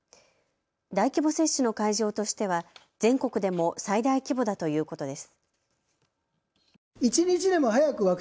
大規模接種の会場としては全国でも最大規模だということです。